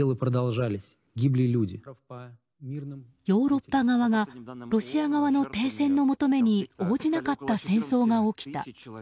ヨーロッパ側がロシア側の停戦の求めに応じなかった戦争が起きた。